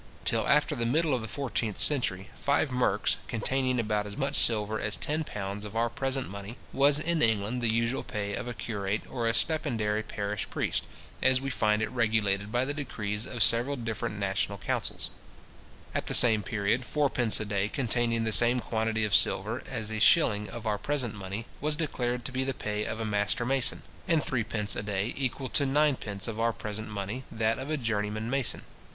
Till after the middle of the fourteenth century, five merks, containing about as much silver as ten pounds of our present money, was in England the usual pay of a curate or a stipendiary parish priest, as we find it regulated by the decrees of several different national councils. At the same period, fourpence a day, containing the same quantity of silver as a shilling of our present money, was declared to be the pay of a master mason; and threepence a day, equal to ninepence of our present money, that of a journeyman mason. {See the Statute of Labourers, 25, Ed.